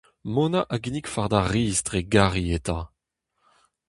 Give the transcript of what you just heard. Mona a ginnig fardañ riz dre gari eta.